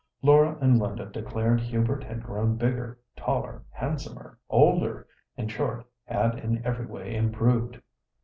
Laura and Linda declared Hubert had grown bigger, taller, handsomer, older—in short, had in every way improved.